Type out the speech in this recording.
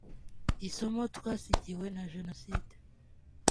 Isomo Twasigiwe Na Jenoside